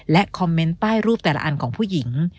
คอมเมนต์ป้ายรูปแต่ละอันของผู้หญิง